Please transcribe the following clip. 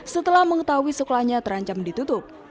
setelah mengetahui sekolahnya terancam ditutup